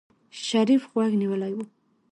شريف غوږ نيولی و.